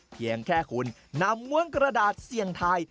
เพียงแค่คุณนำม้วนกระดาษเสี่ยงทาย